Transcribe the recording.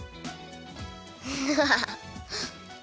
ハハハハ。